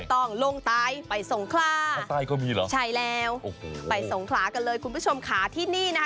ต้องลงใต้ไปสงขลาสงใต้ก็มีเหรอใช่แล้วโอ้โหไปสงขลากันเลยคุณผู้ชมค่ะที่นี่นะคะ